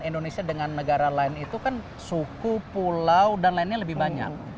indonesia dengan negara lain itu kan suku pulau dan lainnya lebih banyak